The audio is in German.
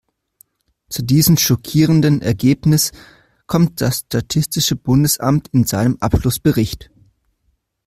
Zu diesem schockierenden Ergebnis kommt das statistische Bundesamt in seinem Abschlussbericht.